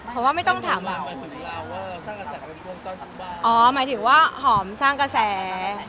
อ๋อหมายถึงว่าหอมสร้างกระแส